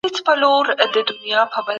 اسلام د فقیرانو حق نه هېروي.